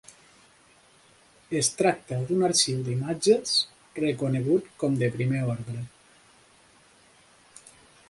Es tracta d'un arxiu d'imatges reconegut com de primer ordre.